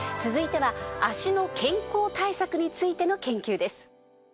続いては脚の健康対策についての研究です。